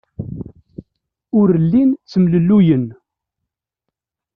Ur llin ttemlelluyen.